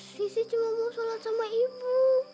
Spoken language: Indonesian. sisi cuma mau sholat sama ibu